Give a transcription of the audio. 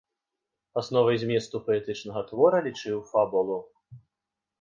Асновай зместу паэтычнага твора лічыў фабулу.